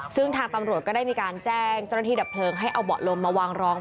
ซึ่งทางตำรวจก็ได้มีการแจ้งเจ้าหน้าที่ดับเพลิงให้เอาเบาะลมมาวางรอง